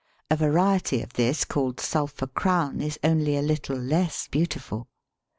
A variety of this called Sulphur Crown is only a little less beautiful.